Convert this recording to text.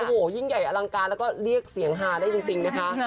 โอ้โหยิ่งใหญ่อลังการแล้วก็เรียกเสียงฮาได้จริงนะคะ